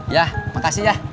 ya makasih ya